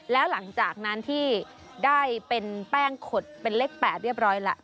แล้วหลังจากนั้นที่ได้เป็นแป้งขดเป็นเลข๘เรียบร้อยแล้ว